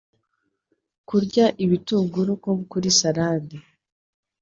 Kurya ibitunguru nko kuri Salade